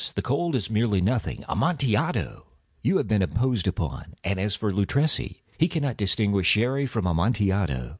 The cold is merely nothing. Amontillado! You have been imposed upon. And as for Luchesi, he cannot distinguish Sherry from Amontillado."